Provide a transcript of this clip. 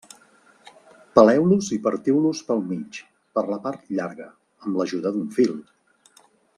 Peleu-los i partiu-los pel mig, per la part llarga, amb l'ajuda d'un fil.